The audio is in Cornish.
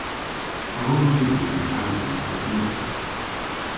A wrons i dybri hansel pub myttin?